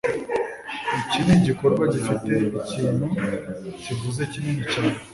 Iki ni igikorwa gifite ikintu kivuze kinini cyane,